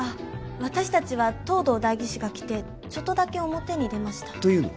私達は藤堂代議士が来てちょっとだけ表に出ましたというのは？